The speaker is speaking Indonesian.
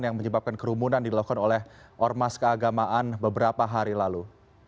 yang menyebabkan kerumunan dilakukan oleh ormas keagamaan beberapa hari lalu